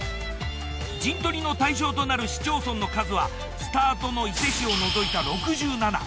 陣取りの対象となる市町村の数はスタートの伊勢市を除いた６７。